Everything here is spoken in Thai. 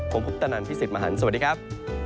ผมคุปตะนันพี่สิทธิ์มหันฯสวัสดีครับ